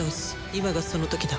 今がその時だ。